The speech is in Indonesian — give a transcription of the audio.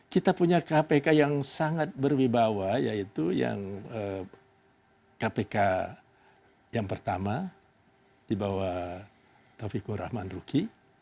kita punya kpk yang sangat berwibawa yaitu yang kpk yang pertama di bawah taufikur rahman ruki